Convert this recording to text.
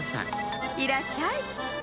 いらっしゃい。